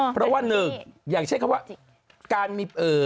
เพราะว่านึกอย่างเชี่ยว์คำว่าการมี